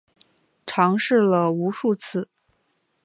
尝试了无数次